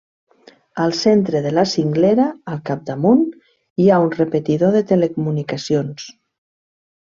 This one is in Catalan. Al centre de la cinglera, al capdamunt, hi ha un repetidor de telecomunicacions.